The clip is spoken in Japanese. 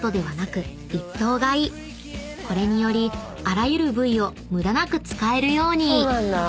［これによりあらゆる部位を無駄なく使えるように］